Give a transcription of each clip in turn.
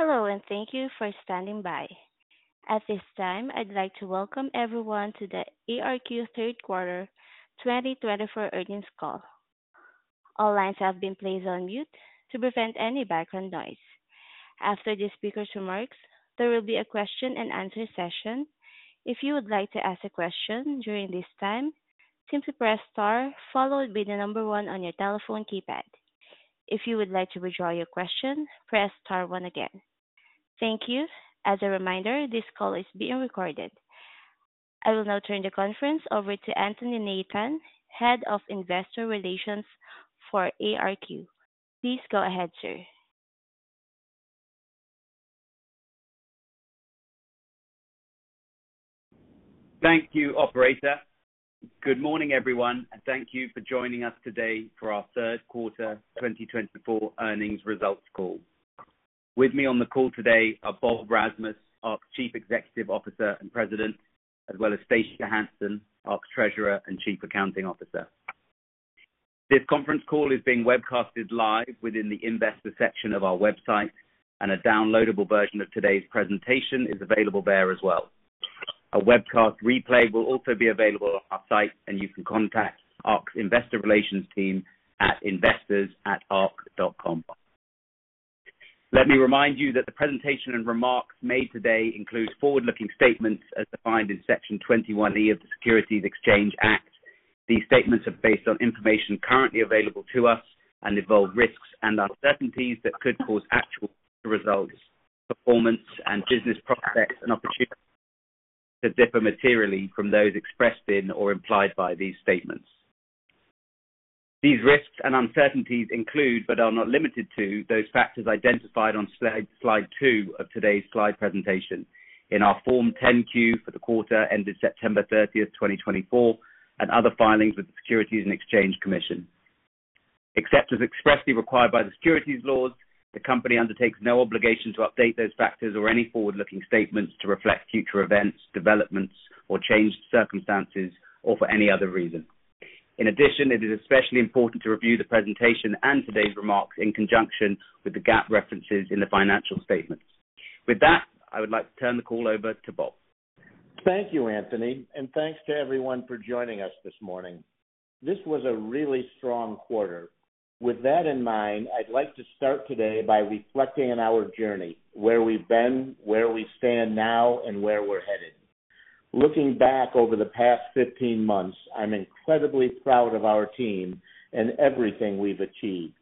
Hello, and thank you for standing by. At this time, I'd like to welcome everyone to the Arq Q3 2024 earnings call. All lines have been placed on mute to prevent any background noise. After the speaker's remarks, there will be a question-and-answer session. If you would like to ask a question during this time, simply press * followed by the number one on your telephone keypad. If you would like to withdraw your question, press * one again. Thank you. As a reminder, this call is being recorded. I will now turn the conference over to Anthony Nathan, Head of Investor Relations for Arq. Please go ahead, sir. Thank you, Operator. Good morning, everyone, and thank you for joining us today for our Q3 2024 earnings results call. With me on the call today are Bob Rasmus, Arq Chief Executive Officer and President, as well as Stacia Hansen, Arq Treasurer and Chief Accounting Officer. This conference call is being webcasted live within the Investor section of our website, and a downloadable version of today's presentation is available there as well. A webcast replay will also be available on our site, and you can contact Arq's Investor Relations team at investors@Arq.com. Let me remind you that the presentation and remarks made today include forward-looking statements as defined in Section 21Eof the Securities Exchange Act. These statements are based on information currently available to us and involve risks and uncertainties that could cause actual results, performance, and business prospects and opportunities to differ materially from those expressed in or implied by these statements. These risks and uncertainties include, but are not limited to, those factors identified on slide two of today's slide presentation in our Form 10-Q for the quarter ended September 30, 2024, and other filings with the Securities and Exchange Commission. Except as expressly required by the securities laws, the company undertakes no obligation to update those factors or any forward-looking statements to reflect future events, developments, or changed circumstances, or for any other reason. In addition, it is especially important to review the presentation and today's remarks in conjunction with the GAAP references in the financial statements. With that, I would like to turn the call over to Bob. Thank you Anthony, and thanks to everyone for joining us this morning. This was a really strong quarter. With that in mind, I'd like to start today by reflecting on our journey, where we've been, where we stand now, and where we're headed. Looking back over the past 15 months, I'm incredibly proud of our team and everything we've achieved.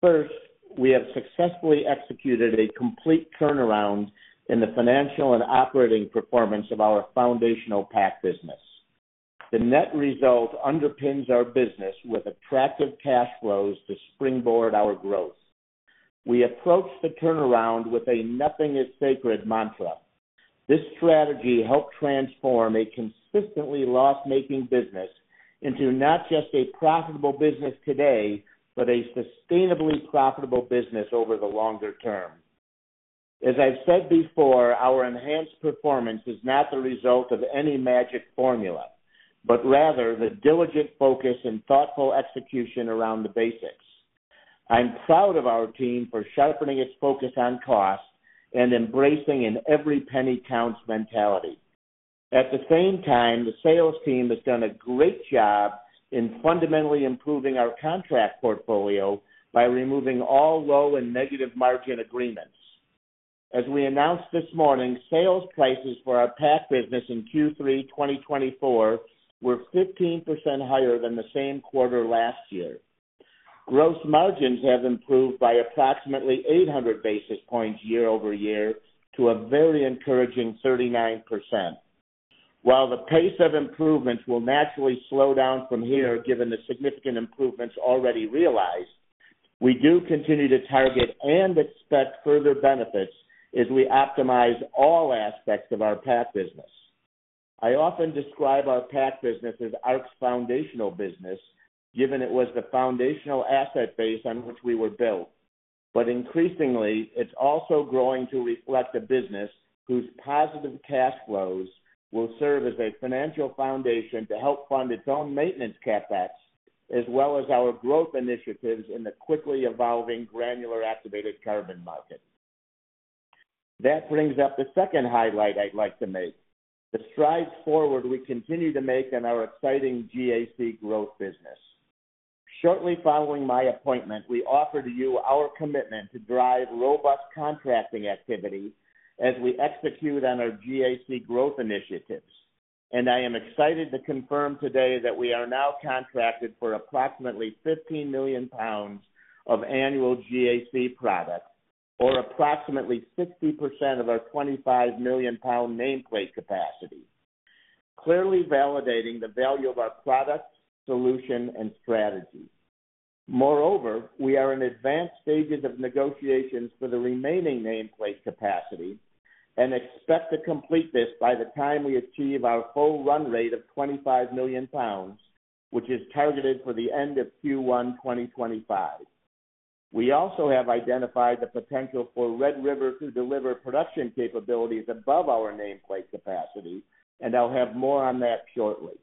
First, we have successfully executed a complete turnaround in the financial and operating performance of our foundational PAC business. The net result underpins our business with attractive cash flows to springboard our growth. We approached the turnaround with a "nothing is sacred" mantra. This strategy helped transform a consistently loss-making business into not just a profitable business today, but a sustainably profitable business over the longer term. As I've said before, our enhanced performance is not the result of any magic formula, but rather the diligent focus and thoughtful execution around the basics. I'm proud of our team for sharpening its focus on cost and embracing an "every penny counts" mentality. At the same time, the sales team has done a great job in fundamentally improving our contract portfolio by removing all low and negative margin agreements. As we announced this morning, sales prices for our PAC business in Q3 2024 were 15% higher than the same quarter last year. Gross margins have improved by approximately 800 basis points year over year to a very encouraging 39%. While the pace of improvements will naturally slow down from here given the significant improvements already realized, we do continue to target and expect further benefits as we optimize all aspects of our PAC business. I often describe our PAC business as Arq's foundational business, given it was the foundational asset base on which we were built. But increasingly, it's also growing to reflect a business whose positive cash flows will serve as a financial foundation to help fund its own maintenance CapEx, as well as our growth initiatives in the quickly evolving granular activated carbon market. That brings up the second highlight I'd like to make: the strides forward we continue to make in our exciting GAC growth business. Shortly following my appointment, we offered you our commitment to drive robust contracting activity as we execute on our GAC growth initiatives. And I am excited to confirm today that we are now contracted for approximately 15 million pounds of annual GAC product, or approximately 60% of our 25 million pounds nameplate capacity, clearly validating the value of our products, solution, and strategy. Moreover, we are in advanced stages of negotiations for the remaining nameplate capacity and expect to complete this by the time we achieve our full run rate of 25 million pounds, which is targeted for the end of Q1 2025. We also have identified the potential for Red River to deliver production capabilities above our nameplate capacity, and I'll have more on that shortly.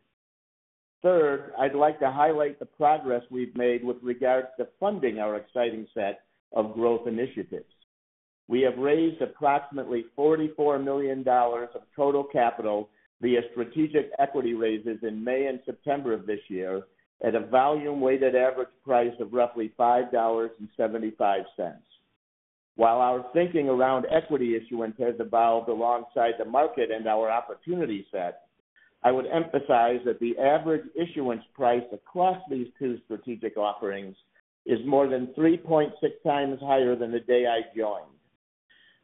Third, I'd like to highlight the progress we've made with regards to funding our exciting set of growth initiatives. We have raised approximately $44 million of total capital via strategic equity raises in May and September of this year at a volume-weighted average price of roughly $5.75. While our thinking around equity issuance has evolved alongside the market and our opportunity set, I would emphasize that the average issuance price across these two strategic offerings is more than 3.6 times higher than the day I joined.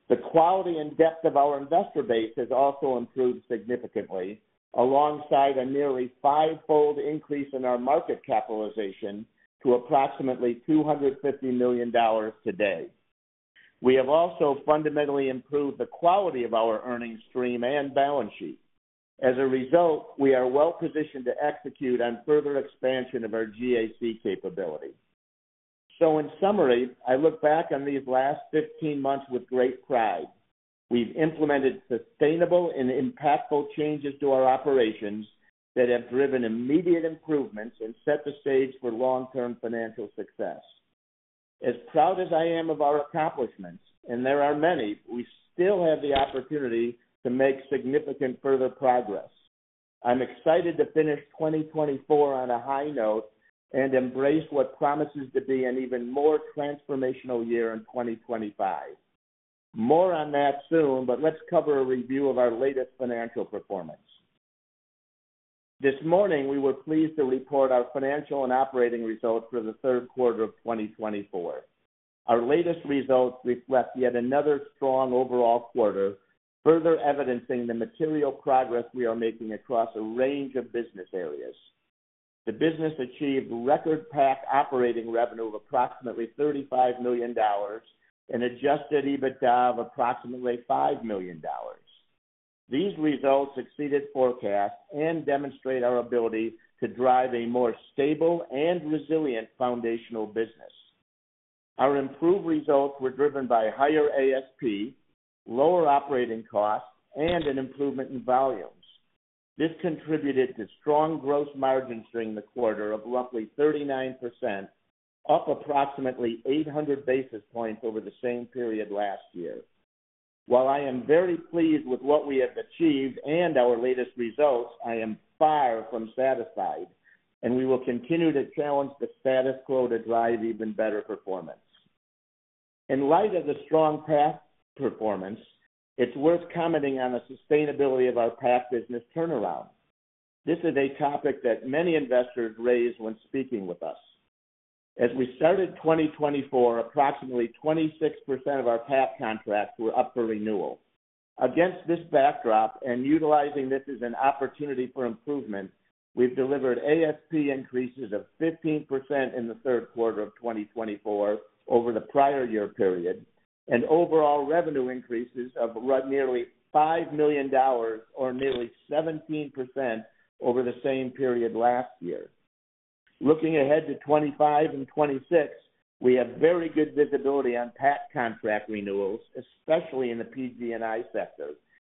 The quality and depth of our investor base has also improved significantly, alongside a nearly fivefold increase in our market capitalization to approximately $250 million today. We have also fundamentally improved the quality of our earnings stream and balance sheet. As a result, we are well positioned to execute on further expansion of our GAC capability. So, in summary, I look back on these last 15 months with great pride. We've implemented sustainable and impactful changes to our operations that have driven immediate improvements and set the stage for long-term financial success. As proud as I am of our accomplishments, and there are many, we still have the opportunity to make significant further progress. I'm excited to finish 2024 on a high note and embrace what promises to be an even more transformational year in 2025. More on that soon, but let's cover a review of our latest financial performance. This morning, we were pleased to report our financial and operating results for the Q3 of 2024. Our latest results reflect yet another strong overall quarter, further evidencing the material progress we are making across a range of business areas. The business achieved record PAC operating revenue of approximately $35 million and Adjusted EBITDA of approximately $5 million. These results exceeded forecasts and demonstrate our ability to drive a more stable and resilient foundational business. Our improved results were driven by higher ASP, lower operating costs, and an improvement in volumes. This contributed to strong gross margins during the quarter of roughly 39%, up approximately 800 basis points over the same period last year. While I am very pleased with what we have achieved and our latest results, I am far from satisfied, and we will continue to challenge the status quo to drive even better performance. In light of the strong PAC performance, it's worth commenting on the sustainability of our PAC business turnaround. This is a topic that many investors raise when speaking with us. As we started 2024, approximately 26% of our PAC contracts were up for renewal. Against this backdrop, and utilizing this as an opportunity for improvement, we've delivered ASP increases of 15% in the Q3 of 2024 over the prior year period and overall revenue increases of nearly $5 million, or nearly 17% over the same period last year. Looking ahead to 2025 and 2026, we have very good visibility on PAC contract renewals, especially in the PG&I sector,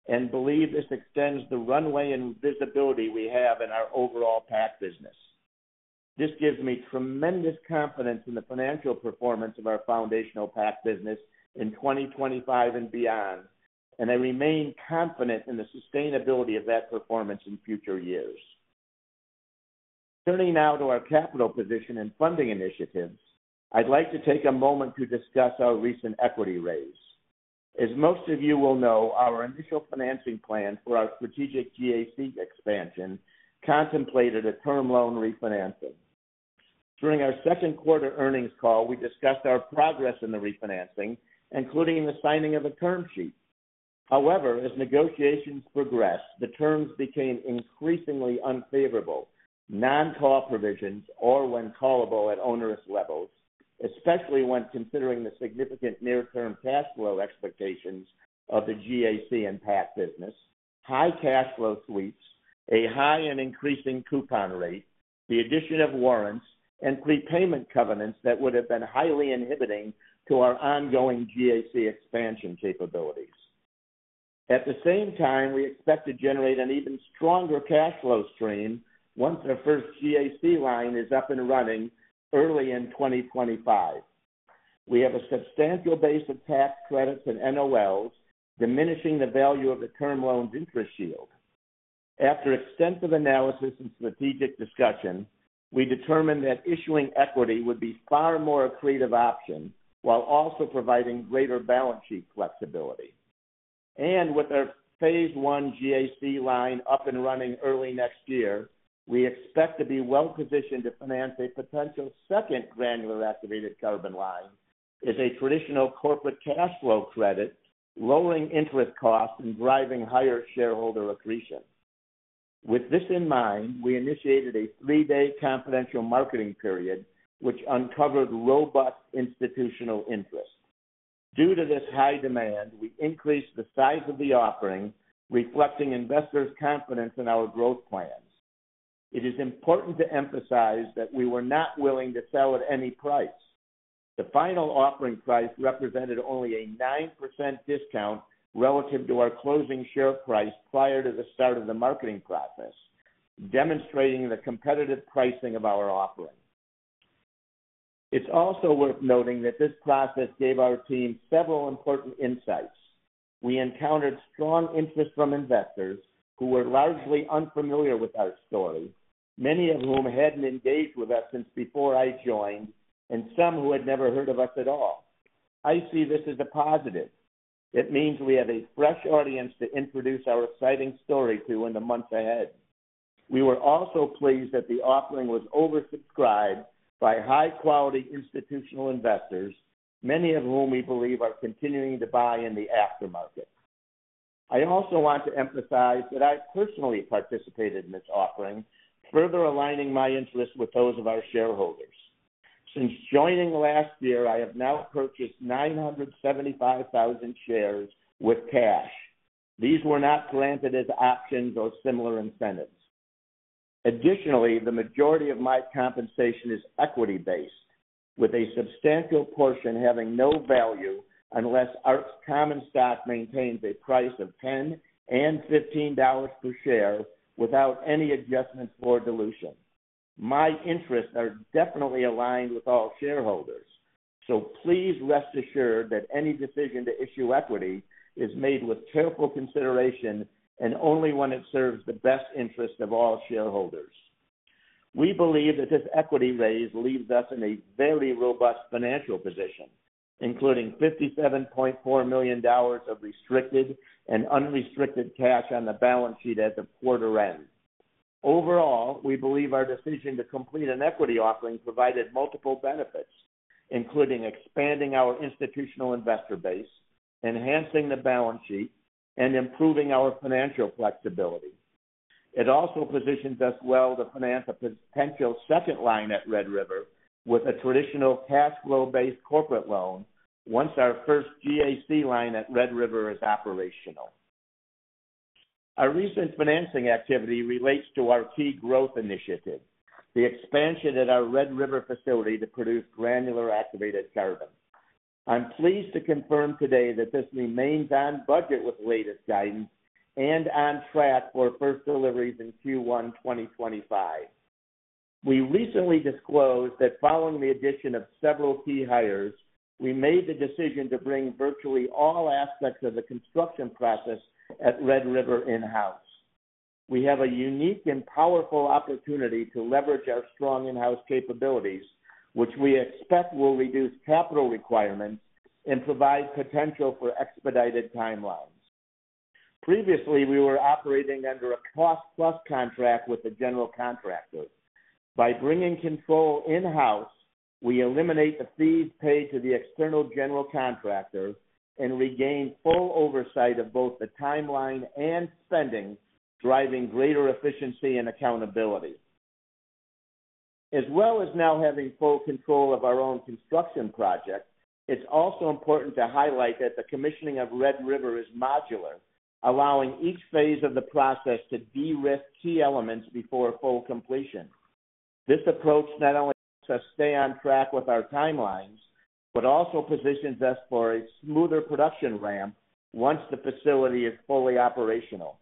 and believe this extends the runway and visibility we have in our overall PAC business. This gives me tremendous confidence in the financial performance of our foundational PAC business in 2025 and beyond, and I remain confident in the sustainability of that performance in future years. Turning now to our capital position and funding initiatives, I'd like to take a moment to discuss our recent equity raise. As most of you will know, our initial financing plan for our strategic GAC expansion contemplated a term loan refinancing. During our Q2 earnings call, we discussed our progress in the refinancing, including the signing of a term sheet. However, as negotiations progressed, the terms became increasingly unfavorable: non-call provisions or when callable at onerous levels, especially when considering the significant near-term cash flow expectations of the GAC and PAC business, high cash flow sweeps, a high and increasing coupon rate, the addition of warrants, and prepayment covenants that would have been highly inhibiting to our ongoing GAC expansion capabilities. At the same time, we expect to generate an even stronger cash flow stream once our first GAC line is up and running early in 2025. We have a substantial base of tax credits and NOLs, diminishing the value of the term loan's interest yield. After extensive analysis and strategic discussion, we determined that issuing equity would be a far more creative option while also providing greater balance sheet flexibility. And with our phase l GAC line up and running early next year, we expect to be well positioned to finance a potential second granular activated carbon line as a traditional corporate cash flow credit, lowering interest costs and driving higher shareholder accretion. With this in mind, we initiated a three-day confidential marketing period, which uncovered robust institutional interest. Due to this high demand, we increased the size of the offering, reflecting investors' confidence in our growth plans. It is important to emphasize that we were not willing to sell at any price. The final offering price represented only a 9% discount relative to our closing share price prior to the start of the marketing process, demonstrating the competitive pricing of our offering. It's also worth noting that this process gave our team several important insights. We encountered strong interest from investors who were largely unfamiliar with our story, many of whom hadn't engaged with us since before I joined, and some who had never heard of us at all. I see this as a positive. It means we have a fresh audience to introduce our exciting story to in the months ahead. We were also pleased that the offering was oversubscribed by high-quality institutional investors, many of whom we believe are continuing to buy in the aftermarket. I also want to emphasize that I personally participated in this offering, further aligning my interest with those of our shareholders. Since joining last year, I have now purchased 975,000 shares with cash. These were not granted as options or similar incentives. Additionally, the majority of my compensation is equity-based, with a substantial portion having no value unless Arq's common stock maintains a price of $10 and $15 per share without any adjustments or dilution. My interests are definitely aligned with all shareholders, so please rest assured that any decision to issue equity is made with careful consideration and only when it serves the best interest of all shareholders. We believe that this equity raise leaves us in a very robust financial position, including $57.4 million of restricted and unrestricted cash on the balance sheet as of Q2. Overall, we believe our decision to complete an equity offering provided multiple benefits, including expanding our institutional investor base, enhancing the balance sheet, and improving our financial flexibility. It also positions us well to finance a potential second line at Red River with a traditional cash flow-based corporate loan once our first GAC line at Red River is operational. Our recent financing activity relates to our key growth initiative, the expansion at our Red River facility to produce granular activated carbon. I'm pleased to confirm today that this remains on budget with the latest guidance and on track for first deliveries in Q1 2025. We recently disclosed that following the addition of several key hires, we made the decision to bring virtually all aspects of the construction process at Red River in-house. We have a unique and powerful opportunity to leverage our strong in-house capabilities, which we expect will reduce capital requirements and provide potential for expedited timelines. Previously, we were operating under a cost-plus contract with the general contractor. By bringing control in-house, we eliminate the fees paid to the external general contractor and regain full oversight of both the timeline and spending, driving greater efficiency and accountability. As well as now having full control of our own construction project, it's also important to highlight that the commissioning of Red River is modular, allowing each phase of the process to de-risk key elements before full completion. This approach not only helps us stay on track with our timelines, but also positions us for a smoother production ramp once the facility is fully operational.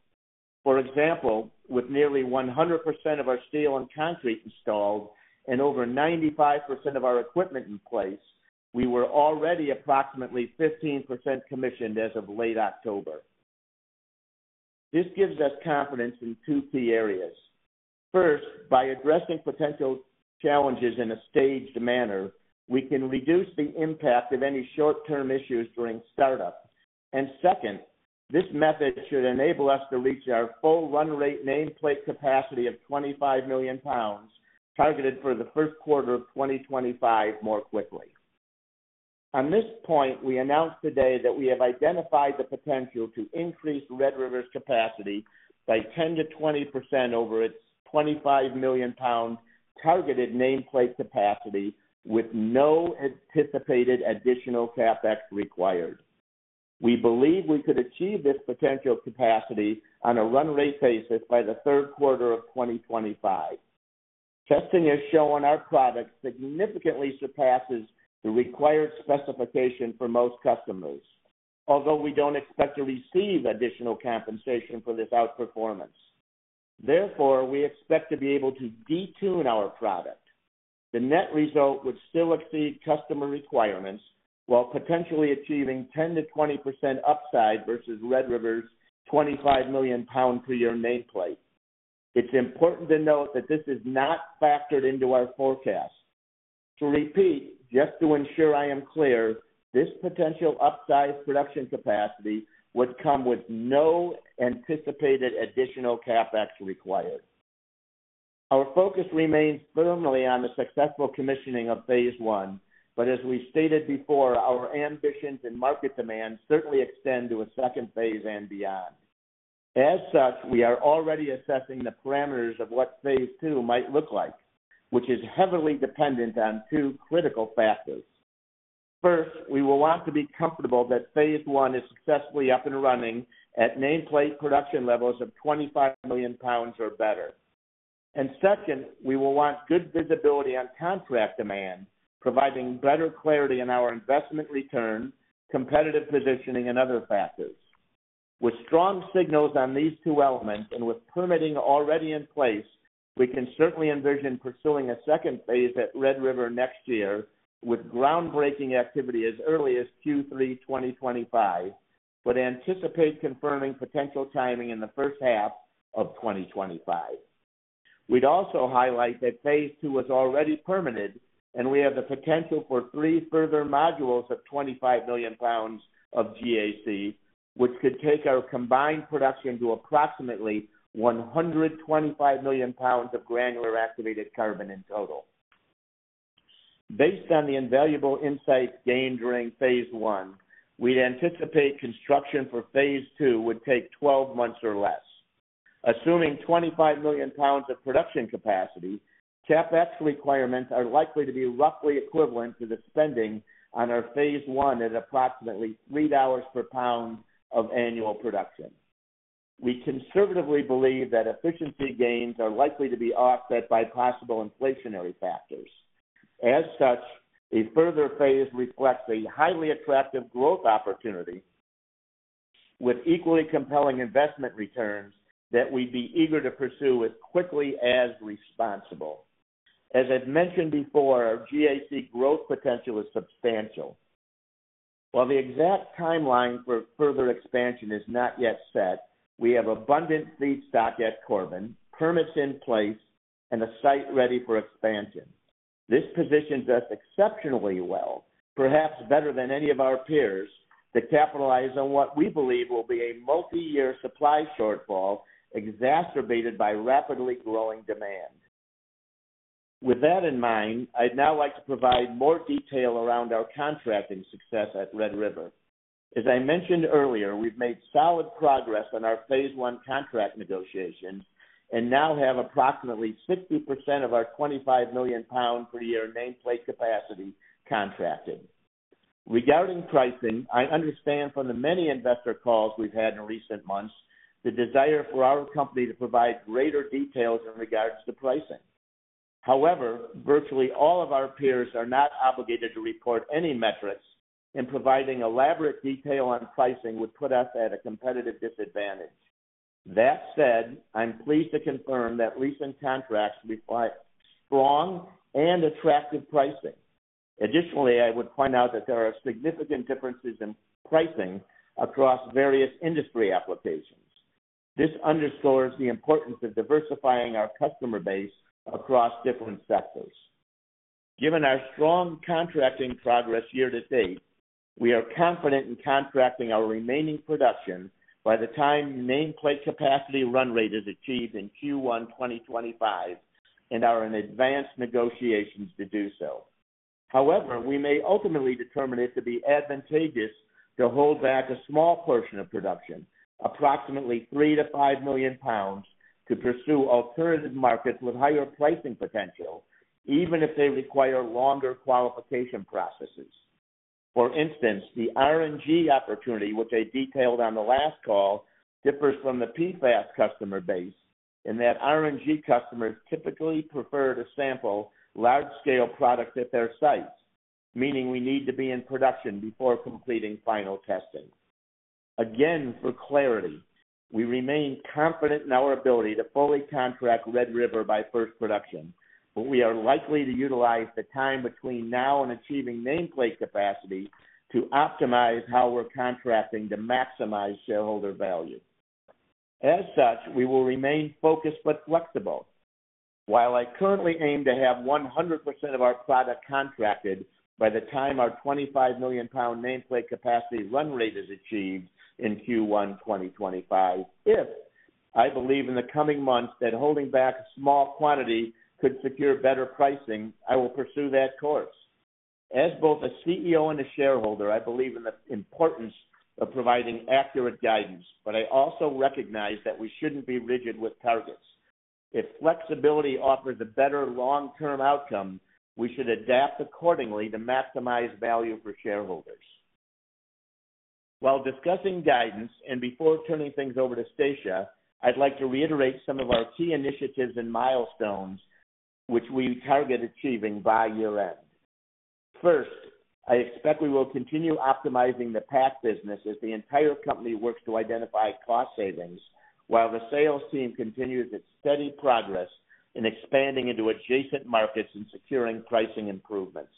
For example, with nearly 100% of our steel and concrete installed and over 95% of our equipment in place, we were already approximately 15% commissioned as of late October. This gives us confidence in two key areas. First, by addressing potential challenges in a staged manner, we can reduce the impact of any short-term issues during startup. And second, this method should enable us to reach our full run rate nameplate capacity of 25 million lbs targeted for the Q1 of 2025 more quickly. On this point, we announced today that we have identified the potential to increase Red River's capacity by 10%-20% over its 25 million lbs targeted nameplate capacity with no anticipated additional CapEx required. We believe we could achieve this potential capacity on a run rate basis by the Q3 of 2025. Testing has shown our product significantly surpasses the required specification for most customers, although we don't expect to receive additional compensation for this outperformance. Therefore, we expect to be able to detune our product. The net result would still exceed customer requirements while potentially achieving 10%-20% upside versus Red River's 25 million pounds per year nameplate. It's important to note that this is not factored into our forecast. To repeat, just to ensure I am clear, this potential upside production capacity would come with no anticipated additional CapEx required. Our focus remains firmly on the successful commissioning of phase l, but as we stated before, our ambitions and market demands certainly extend to a second phase and beyond. As such, we are already assessing the parameters of what phase ll might look like, which is heavily dependent on two critical factors. First, we will want to be comfortable that phase l is successfully up and running at nameplate production levels of 25 million pounds or better. And second, we will want good visibility on contract demand, providing better clarity on our investment return, competitive positioning, and other factors. With strong signals on these two elements and with permitting already in place, we can certainly envision pursuing a second phase at Red River next year with groundbreaking activity as early as Q3 2025, but anticipate confirming potential timing in the first half of 2025. We'd also highlight that phase ll was already permitted, and we have the potential for three further modules of 25 million pounds of GAC, which could take our combined production to approximately 125 million pounds of granular activated carbon in total. Based on the invaluable insights gained during phase l, we'd anticipate construction for phase ll would take 12 months or less. Assuming 25 million pounds of production capacity, CapEx requirements are likely to be roughly equivalent to the spending on our phase l at approximately $3 per pound of annual production. We conservatively believe that efficiency gains are likely to be offset by possible inflationary factors. As such, a further phase reflects a highly attractive growth opportunity with equally compelling investment returns that we'd be eager to pursue as quickly as responsible. As I've mentioned before, our GAC growth potential is substantial. While the exact timeline for further expansion is not yet set, we have abundant feedstock at Corbin, permits in place, and a site ready for expansion. This positions us exceptionally well, perhaps better than any of our peers, to capitalize on what we believe will be a multi-year supply shortfall exacerbated by rapidly growing demand. With that in mind, I'd now like to provide more detail around our contracting success at Red River. As I mentioned earlier, we've made solid progress on our Phase 1 contract negotiations and now have approximately 60% of our 25 million pounds per year nameplate capacity contracted. Regarding pricing, I understand from the many investor calls we've had in recent months the desire for our company to provide greater details in regards to pricing. However, virtually all of our peers are not obligated to report any metrics, and providing elaborate detail on pricing would put us at a competitive disadvantage. That said, I'm pleased to confirm that recent contracts reflect strong and attractive pricing. Additionally, I would point out that there are significant differences in pricing across various industry applications. This underscores the importance of diversifying our customer base across different sectors. Given our strong contracting progress year to date, we are confident in contracting our remaining production by the time nameplate capacity run rate is achieved in Q1 2025 and are in advanced negotiations to do so. However, we may ultimately determine it to be advantageous to hold back a small portion of production, approximately EUR 3 million-5 million, to pursue alternative markets with higher pricing potential, even if they require longer qualification processes. For instance, the RNG opportunity, which I detailed on the last call, differs from the PFAS customer base in that RNG customers typically prefer to sample large-scale products at their sites, meaning we need to be in production before completing final testing. Again, for clarity, we remain confident in our ability to fully contract Red River by first production, but we are likely to utilize the time between now and achieving nameplate capacity to optimize how we're contracting to maximize shareholder value. As such, we will remain focused but flexible. While I currently aim to have 100% of our product contracted by the time our 25 million pounds nameplate capacity run rate is achieved in Q1 2025, if I believe in the coming months that holding back a small quantity could secure better pricing, I will pursue that course. As both a CEO and a shareholder, I believe in the importance of providing accurate guidance, but I also recognize that we shouldn't be rigid with targets. If flexibility offers a better long-term outcome, we should adapt accordingly to maximize value for shareholders. While discussing guidance and before turning things over to Stacia, I'd like to reiterate some of our key initiatives and milestones which we target achieving by year-end. First, I expect we will continue optimizing the PAC business as the entire company works to identify cost savings while the sales team continues its steady progress in expanding into adjacent markets and securing pricing improvements.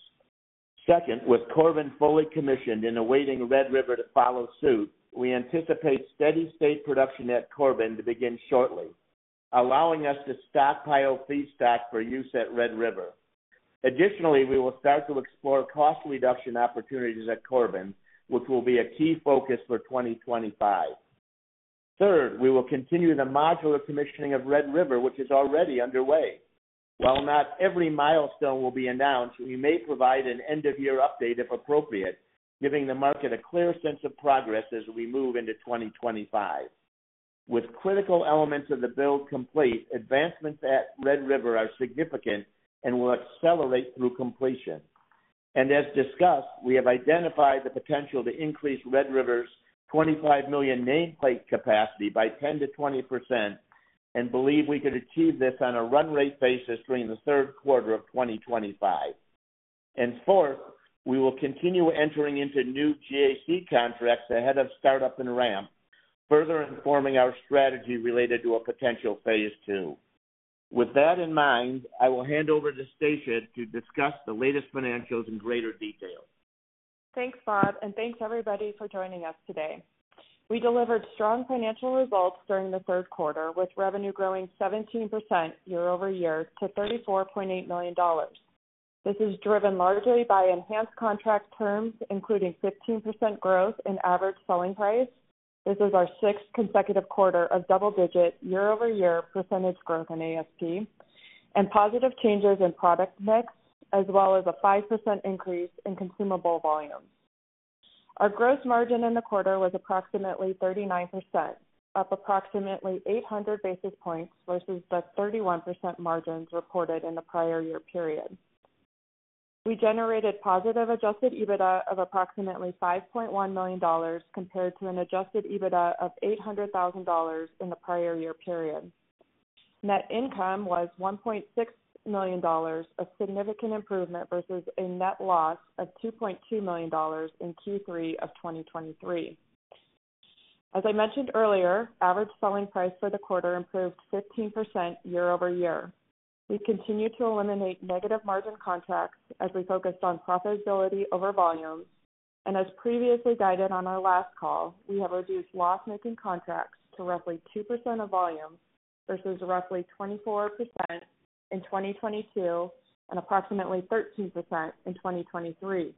Second, with Corbin fully commissioned and awaiting Red River to follow suit, we anticipate steady-state production at Corbin to begin shortly, allowing us to stockpile feedstock for use at Red River. Additionally, we will start to explore cost reduction opportunities at Corbin, which will be a key focus for 2025. Third, we will continue the modular commissioning of Red River, which is already underway. While not every milestone will be announced, we may provide an end-of-year update if appropriate, giving the market a clear sense of progress as we move into 2025. With critical elements of the build complete, advancements at Red River are significant and will accelerate through completion, and as discussed, we have identified the potential to increase Red River's 25 million pounds nameplate capacity by 10% to 20% and believe we could achieve this on a run rate basis during the Q3 of 2025, and fourth, we will continue entering into new GAC contracts ahead of startup and ramp, further informing our strategy related to a potential phase ll. With that in mind, I will hand over to Stacia to discuss the latest financials in greater detail. Thanks, Bob, and thanks everybody for joining us today. We delivered strong financial results during the Q3, with revenue growing 17% year-over-year to $34.8 million. This is driven largely by enhanced contract terms, including 15% growth in average selling price. This is our sixth consecutive quarter of double-digit year-over-year percentage growth in ASP and positive changes in product mix, as well as a 5% increase in consumable volumes. Our gross margin in the quarter was approximately 39%, up approximately 800 basis points versus the 31% margins reported in the prior year period. We generated positive Adjusted EBITDA of approximately $5.1 million compared to an Adjusted EBITDA of $800,000 in the prior year period. Net income was $1.6 million, a significant improvement versus a net loss of $2.2 million in Q3 of 2023. As I mentioned earlier, average selling price for the quarter improved 15% year-over-year. We continue to eliminate negative margin contracts as we focus on profitability over volume. As previously guided on our last call, we have reduced loss-making contracts to roughly 2% of volume versus roughly 24% in 2022 and approximately 13% in 2023.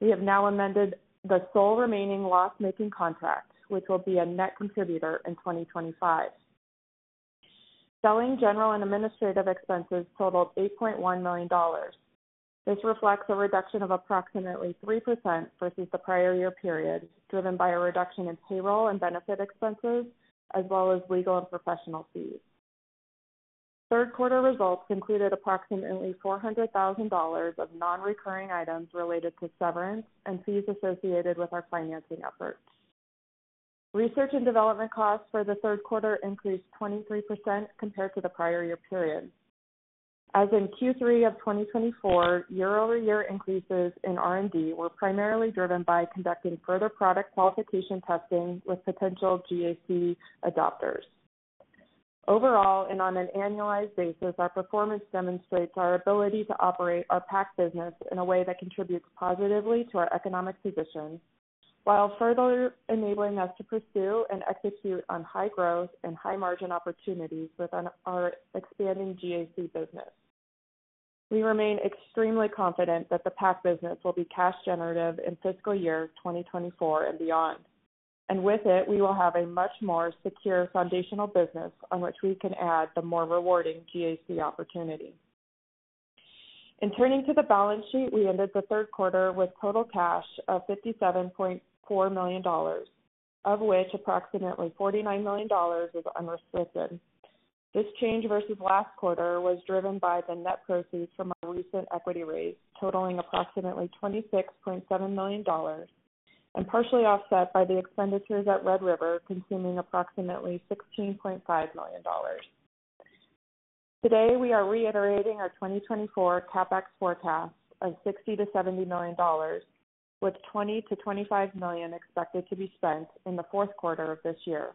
We have now amended the sole remaining loss-making contract, which will be a net contributor in 2025. Selling, general, and administrative expenses totaled $8.1 million. This reflects a reduction of approximately 3% versus the prior year period, driven by a reduction in payroll and benefit expenses, as well as legal and professional fees. Q3 results included approximately $400,000 of non-recurring items related to severance and fees associated with our financing efforts. Research and development costs for the Q3 increased 23% compared to the prior year period. As in Q3 of 2024, year-over-year increases in R&D were primarily driven by conducting further product qualification testing with potential GAC adopters. Overall, and on an annualized basis, our performance demonstrates our ability to operate our PAC business in a way that contributes positively to our economic position, while further enabling us to pursue and execute on high growth and high-margin opportunities within our expanding GAC business. We remain extremely confident that the PAC business will be cash-generative in fiscal year 2024 and beyond. And with it, we will have a much more secure foundational business on which we can add the more rewarding GAC opportunity. In turning to the balance sheet, we ended the Q3 with total cash of $57.4 million, of which approximately $49 million was unrestricted. This change versus last quarter was driven by the net proceeds from our recent equity raise, totaling approximately $26.7 million, and partially offset by the expenditures at Red River consuming approximately $16.5 million. Today, we are reiterating our 2024 CapEx forecast of $60million-$70 million, with $20million-$25 million expected to be spent in the Q4 of this year.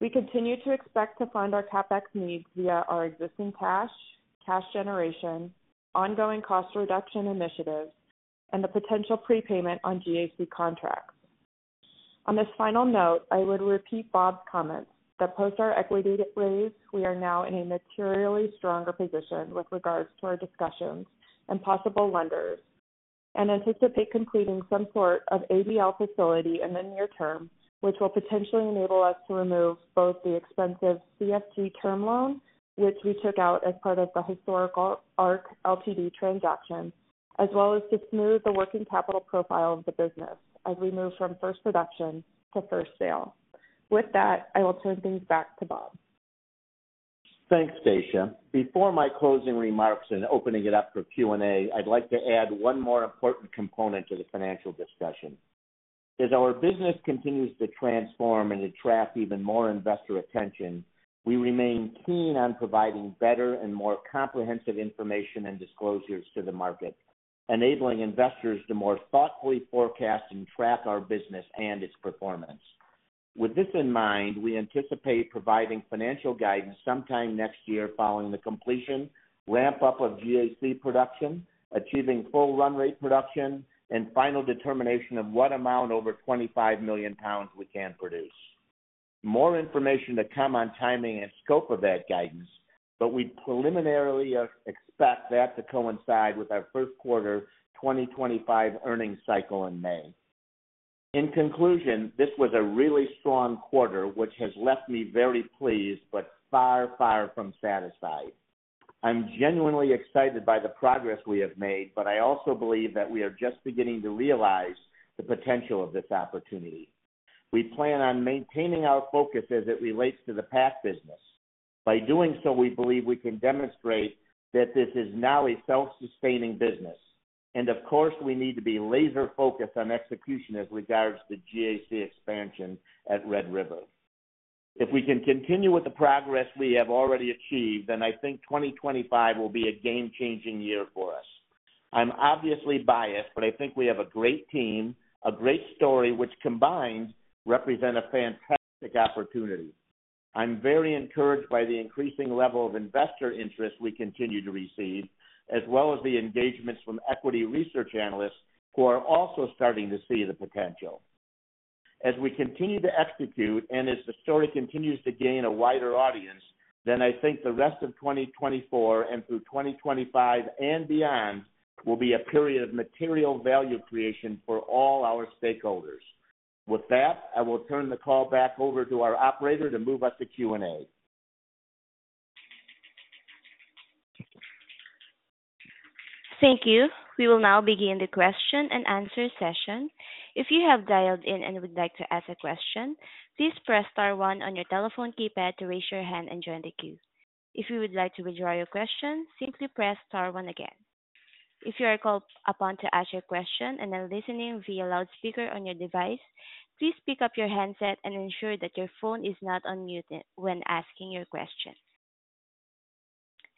We continue to expect to fund our CapEx needs via our existing cash, cash generation, ongoing cost reduction initiatives, and the potential prepayment on GAC contracts. On this final note, I would repeat Bob's comments that post our equity raise, we are now in a materially stronger position with regards to our discussions and possible lenders, and anticipate completing some sort of ABL facility in the near term, which will potentially enable us to remove both the expensive CIM term loan, which we took out as part of the historical ARC LTD transaction, as well as to smooth the working capital profile of the business as we move from first production to first sale. With that, I will turn things back to Bob. Thanks, Stacia. Before my closing remarks and opening it up for Q&A, I'd like to add one more important component to the financial discussion. As our business continues to transform and attract even more investor attention, we remain keen on providing better and more comprehensive information and disclosures to the market, enabling investors to more thoughtfully forecast and track our business and its performance. With this in mind, we anticipate providing financial guidance sometime next year following the completion, ramp-up of GAC production, achieving full run rate production, and final determination of what amount over 25 million pounds we can produce. More information to come on timing and scope of that guidance, but we preliminarily expect that to coincide with our Q4 2025 earnings cycle in May. In conclusion, this was a really strong quarter, which has left me very pleased but far, far from satisfied. I'm genuinely excited by the progress we have made, but I also believe that we are just beginning to realize the potential of this opportunity. We plan on maintaining our focus as it relates to the PAC business. By doing so, we believe we can demonstrate that this is now a self-sustaining business. And of course, we need to be laser-focused on execution as regards to GAC expansion at Red River. If we can continue with the progress we have already achieved, then I think 2025 will be a game-changing year for us. I'm obviously biased, but I think we have a great team, a great story, which combined represents a fantastic opportunity. I'm very encouraged by the increasing level of investor interest we continue to receive, as well as the engagements from equity research analysts who are also starting to see the potential. As we continue to execute and as the story continues to gain a wider audience, then I think the rest of 2024 and through 2025 and beyond will be a period of material value creation for all our stakeholders. With that, I will turn the call back over to our operator to move us to Q&A. Thank you. We will now begin the question and answer session. If you have dialed in and would like to ask a question, please press star one on your telephone keypad to raise your hand and join the queue. If you would like to withdraw your question, simply press star one again. If you are called upon to ask your question and are listening via loudspeaker on your device, please pick up your handset and ensure that your phone is not unmuted when asking your question.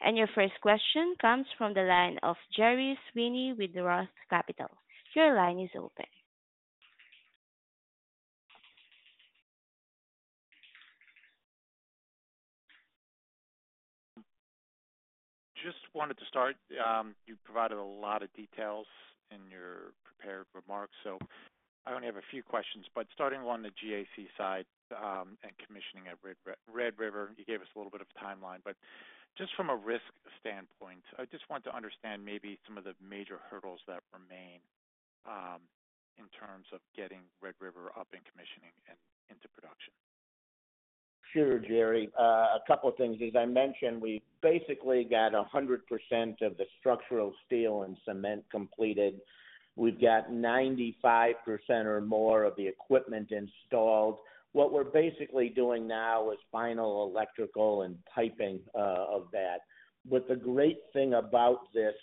And your first question comes from the line of Gerry Sweeney with Roth Capital Partners. Your line is open. Just wanted to start. You provided a lot of details in your prepared remarks, so I only have a few questions. But starting on the GAC side and commissioning at Red River, you gave us a little bit of a timeline. But just from a risk standpoint, I just want to understand maybe some of the major hurdles that remain in terms of getting Red River up and commissioning and into production. Sure, Gerry. A couple of things. As I mentioned, we basically got 100% of the structural steel and cement completed. We've got 95% or more of the equipment installed. What we're basically doing now is final electrical and piping of that. But the great thing about this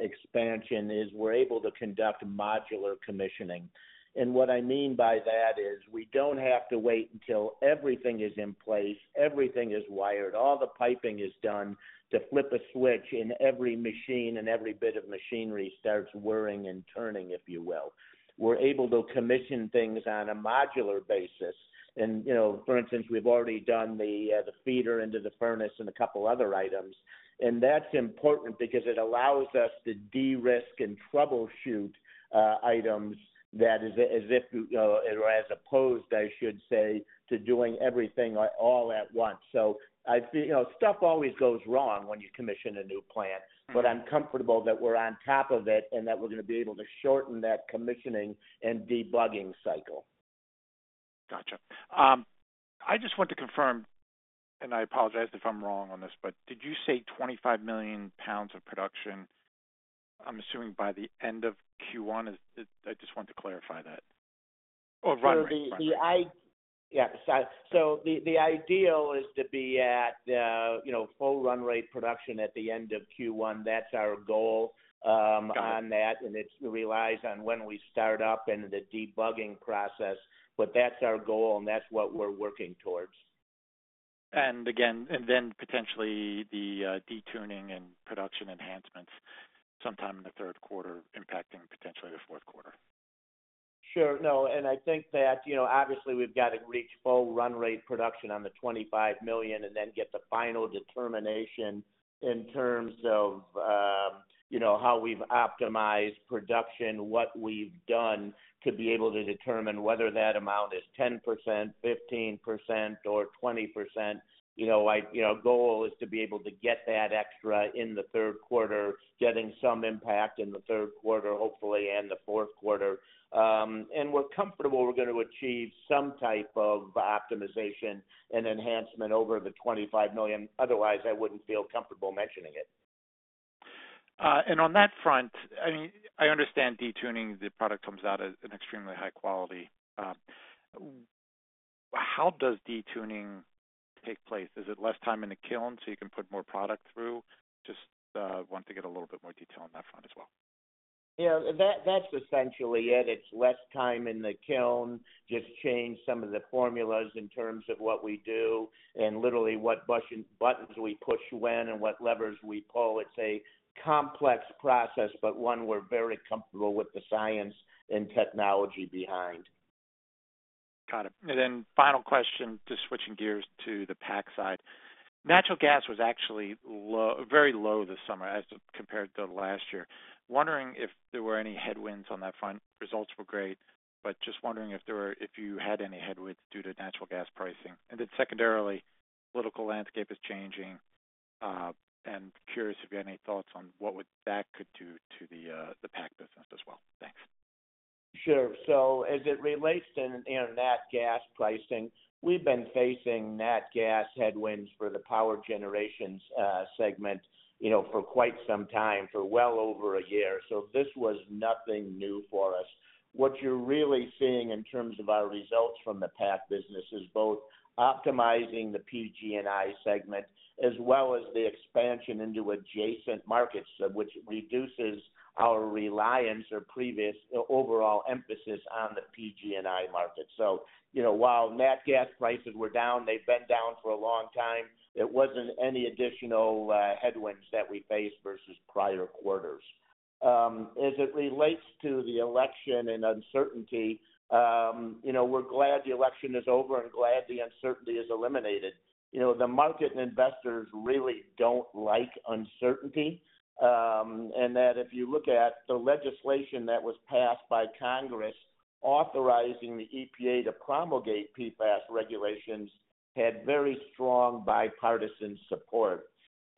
expansion is we're able to conduct modular commissioning. And what I mean by that is we don't have to wait until everything is in place, everything is wired, all the piping is done. To flip a switch in every machine and every bit of machinery starts whirring and turning, if you will. We're able to commission things on a modular basis. And for instance, we've already done the feeder into the furnace and a couple of other items. And that's important because it allows us to de-risk and troubleshoot items that is as if, or as opposed, I should say, to doing everything all at once. So stuff always goes wrong when you commission a new plant, but I'm comfortable that we're on top of it and that we're going to be able to shorten that commissioning and debugging cycle. Gotcha. I just want to confirm, and I apologize if I'm wrong on this, but did you say 25 million pounds of production, I'm assuming, by the end of Q1? I just want to clarify that. Or run rate production. Yeah. So the ideal is to be at full run rate production at the end of Q1. That's our goal on that. And it relies on when we start up and the debugging process. But that's our goal, and that's what we're working towards. And again, and then potentially the detuning and production enhancements sometime in the Q3 impacting potentially the Q4. Sure. No. I think that obviously we've got to reach full run rate production on the 25 million pounds and then get the final determination in terms of how we've optimized production, what we've done to be able to determine whether that amount is 10%, 15%, or 20%. Our goal is to be able to get that extra in the Q3, getting some impact in the Q3, hopefully, and the Q4. We're comfortable we're going to achieve some type of optimization and enhancement over the 25 million pounds. Otherwise, I wouldn't feel comfortable mentioning it. On that front, I mean, I understand detuning the product comes out as an extremely high quality. How does detuning take place? Is it less time in the kiln so you can put more product through? Just want to get a little bit more detail on that front as well. Yeah. That's essentially it. It's less time in the kiln, just change some of the formulas in terms of what we do and literally what buttons we push when and what levers we pull. It's a complex process, but one we're very comfortable with the science and technology behind. Got it. And then final question, just switching gears to the PAC side. Natural gas was actually very low this summer as compared to last year. Wondering if there were any headwinds on that front. Results were great, but just wondering if you had any headwinds due to natural gas pricing. And then secondarily, the political landscape is changing. And curious if you have any thoughts on what that could do to the PAC business as well. Thanks. Sure. So as it relates to nat gas pricing, we've been facing nat gas headwinds for the power generation segment for quite some time, for well over a year. So this was nothing new for us. What you're really seeing in terms of our results from the PAC business is both optimizing the PG&I segment as well as the expansion into adjacent markets, which reduces our reliance or previous overall emphasis on the PG&I market. So while nat gas prices were down, they've been down for a long time. It wasn't any additional headwinds that we faced versus prior quarters. As it relates to the election and uncertainty, we're glad the election is over and glad the uncertainty is eliminated. The market and investors really don't like uncertainty. And that if you look at the legislation that was passed by Congress authorizing the EPA to promulgate PFAS regulations had very strong bipartisan support.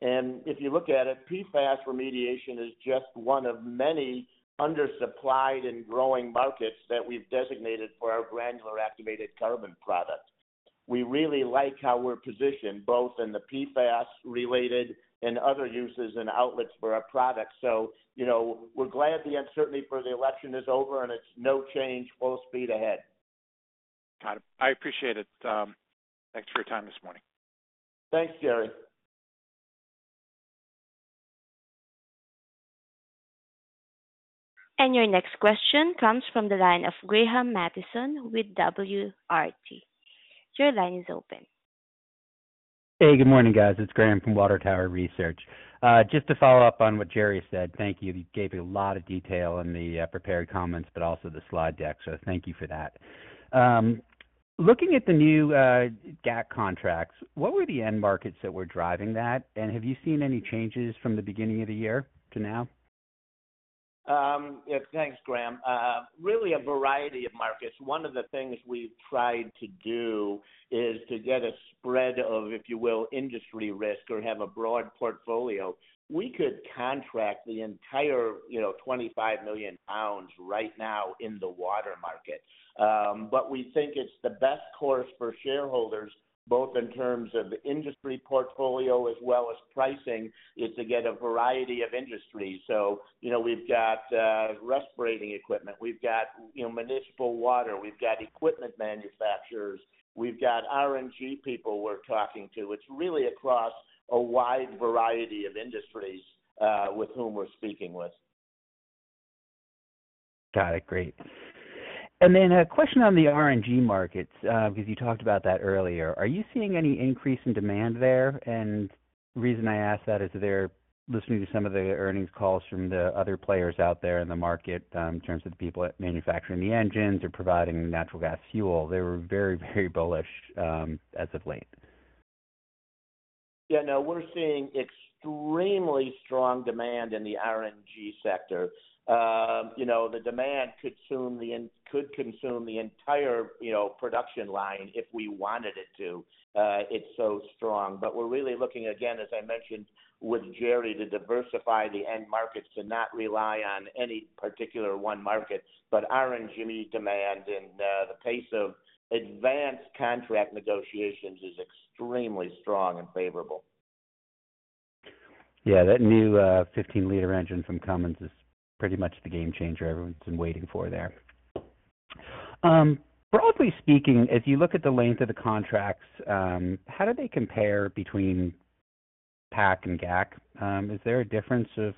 And if you look at it, PFAS remediation is just one of many undersupplied and growing markets that we've designated for our granular activated carbon product. We really like how we're positioned both in the PFAS-related and other uses and outlets for our product. So we're glad the uncertainty for the election is over and it's no change, full speed ahead. Got it. I appreciate it. Thanks for your time this morning. Thanks, Jerry. And your next question comes from the line of Graham Mattison with Water Tower Research. Your line is open. Hey, good morning, guys. It's Graham from Water Tower Research. Just to follow up on what Jerry said, thank you. You gave a lot of detail in the prepared comments, but also the slide deck, so thank you for that. Looking at the new GAC contracts, what were the end markets that were driving that? And have you seen any changes from the beginning of the year to now? Thanks, Graham. Really a variety of markets. One of the things we've tried to do is to get a spread of, if you will, industry risk or have a broad portfolio. We could contract the entire 25 million pounds right now in the water market. But we think it's the best course for shareholders, both in terms of the industry portfolio as well as pricing, is to get a variety of industries. So we've got respirating equipment. We've got municipal water. We've got equipment manufacturers. We've got RNG people we're talking to. It's really across a wide variety of industries with whom we're speaking with. Got it. Great. And then a question on the RNG markets, because you talked about that earlier. Are you seeing any increase in demand there? And the reason I ask that is they're listening to some of the earnings calls from the other players out there in the market in terms of the people manufacturing the engines or providing natural gas fuel. They were very, very bullish as of late. Yeah. No, we're seeing extremely strong demand in the RNG sector. The demand could consume the entire production line if we wanted it to. It's so strong. But we're really looking, again, as I mentioned with Gerry, to diversify the end markets and not rely on any particular one market. But RNG demand and the pace of advanced contract negotiations is extremely strong and favorable. Yeah. That new 15-liter engine from Cummins is pretty much the game changer everyone's been waiting for there. Broadly speaking, as you look at the length of the contracts, how do they compare between PAC and GAC? Is there a difference of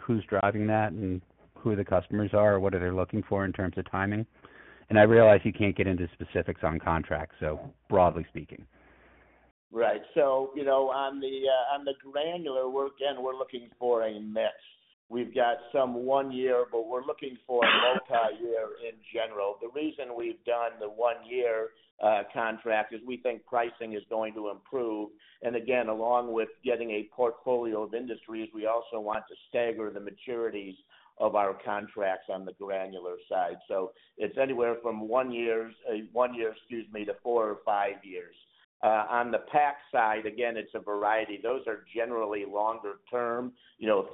who's driving that and who the customers are or what are they looking for in terms of timing, and I realize you can't get into specifics on contracts, so broadly speaking. Right. So on the granular, again, we're looking for a mix. We've got some one-year, but we're looking for a multi-year in general. The reason we've done the one-year contract is we think pricing is going to improve, and again, along with getting a portfolio of industries, we also want to stagger the maturities of our contracts on the granular side. So it's anywhere from one year to four or five years. On the PAC side, again, it's a variety. Those are generally longer-term,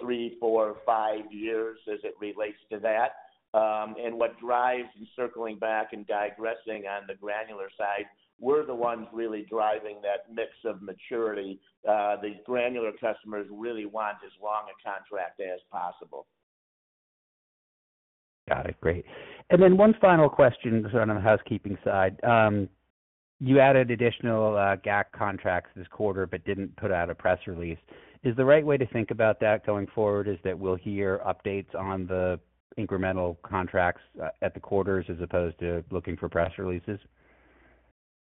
three, four, five years as it relates to that. And what drives, and circling back and digressing on the granular side, we're the ones really driving that mix of maturity. The granular customers really want as long a contract as possible. Got it. Great. And then one final question on the housekeeping side. You added additional GAC contracts this quarter but didn't put out a press release. Is the right way to think about that going forward is that we'll hear updates on the incremental contracts at the quarters as opposed to looking for press releases?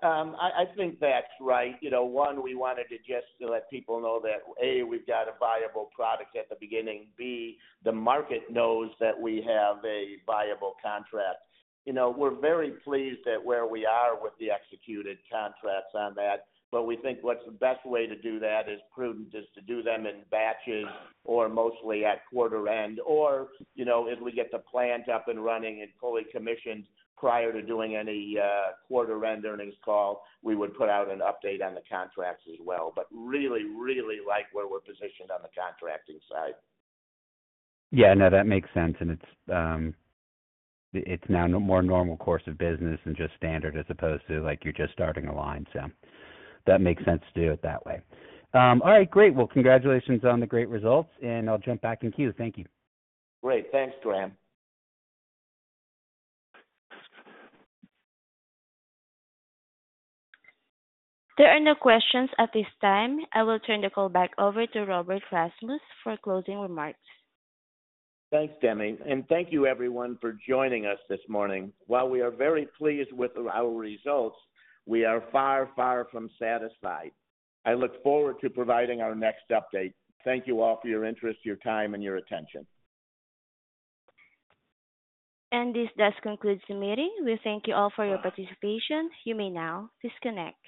I think that's right. One, we wanted to just let people know that, A, we've got a viable product at the beginning. B, the market knows that we have a viable contract. We're very pleased at where we are with the executed contracts on that. But we think what's the best way to do that is prudent is to do them in batches or mostly at quarter end. Or if we get the plant up and running and fully commissioned prior to doing any quarter-end earnings call, we would put out an update on the contracts as well. But really, really like where we're positioned on the contracting side. Yeah. No, that makes sense. And it's now a more normal course of business and just standard as opposed to you're just starting a line. So that makes sense to do it that way. All right. Great. Well, congratulations on the great results, and I'll jump back in queue. Thank you. Great. Thanks, Graham. There are no questions at this time. I will turn the call back over to Robert Rasmus for closing remarks. Thanks, Demi. And thank you, everyone, for joining us this morning. While we are very pleased with our results, we are far, far from satisfied. I look forward to providing our next update. Thank you all for your interest, your time, and your attention. And this does conclude the meeting. We thank you all for your participation. You may now disconnect.